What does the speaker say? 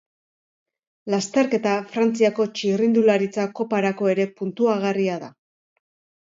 Lasterketa Frantziako Txirrindularitza Koparako ere puntuagarria da.